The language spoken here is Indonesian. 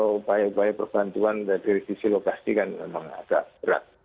upaya upaya perbantuan dari sisi lokasi kan memang agak berat